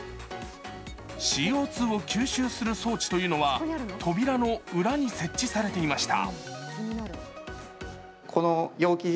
ＣＯ２を吸収する装置というのは扉の裏に設置されていました。